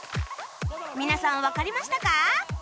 皆さんわかりましたか？